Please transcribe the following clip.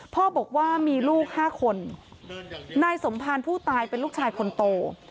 พ่อบอกว่ามีลูก๕คนนายสมภารผู้ตายเป็นลูกชายคนโต